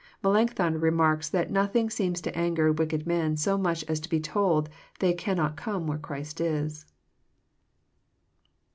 Melancthon remarks that nothing seems to anger wicked men so much as to be told they cannot come where Christ is.